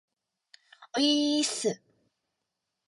おいーっす